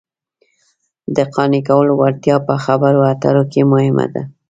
د قانع کولو وړتیا په خبرو اترو کې مهمه ده